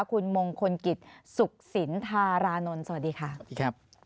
คุณมงคลกิจสุขสินธารานนท์สวัสดีค่ะ